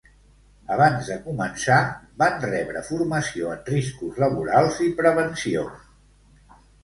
Abans de començar, van rebre formació en riscos laborals i prevenció